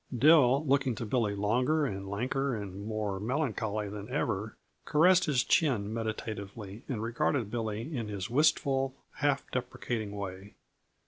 Dill, looking to Billy longer and lanker and mere melancholy than ever, caressed his chin meditatively and regarded Billy in his wistful, half deprecating way.